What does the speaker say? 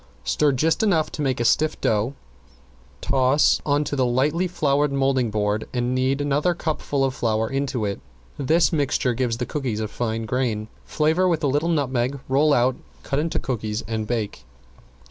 Stir just enough to make a stiff dough, toss on to the lightly floured molding board and knead another cupful of flour into it. This mixing gives the cookies a fine grain. Flavor with a little nutmeg, roll out, cut into cookies, and bake.